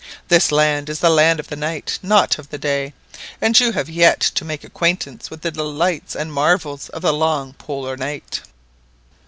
This land is the land of the night, not of the day; and you have yet to make acquaintance with the delights and marvels of the long Polar night."